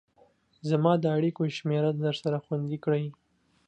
زما د اړيكو شمېره درسره خوندي کړئ